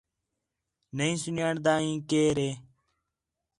نَہیں سُن٘ڄاݨدا ہے کئیر ہِے